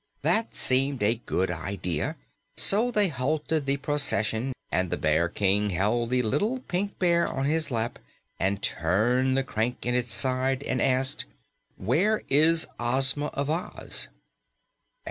That seemed a good idea, so they halted the procession, and the Bear King held the little Pink Bear on his lap and turned the crank in its side and asked, "Where is Ozma of Oz?"